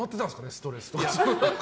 ストレスとか。